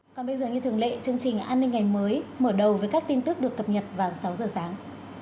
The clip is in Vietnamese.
còn bây giờ như thường lệ chương trình an ninh ngày mới mở đầu với các tin tức được cập nhật vào sáu giờ sáng